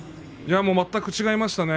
全く違いましたね。